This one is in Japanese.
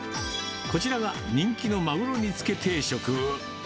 こちらが人気のマグロ煮つけ定食。